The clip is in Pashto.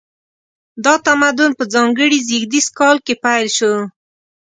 دا تمدن په ځانګړي زیږدیز کال کې پیل شو.